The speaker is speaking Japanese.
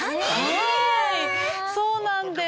はいそうなんです。